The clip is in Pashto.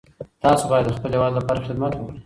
تاسو باید د خپل هیواد لپاره خدمت وکړئ.